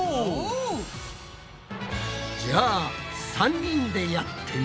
じゃあ３人でやってみるぞ！